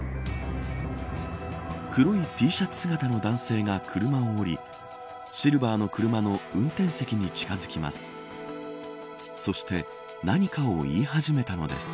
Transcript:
黒いＴシャツ姿の男性が車を降りシルバーの車の運転席に近づきます。